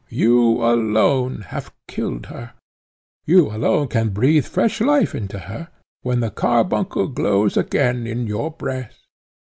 You alone have killed her, you alone can breathe fresh life into her, when the carbuncle glows again in your breast."